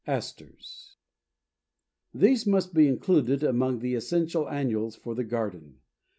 ASTERS. These must be included among the essential annuals for the garden.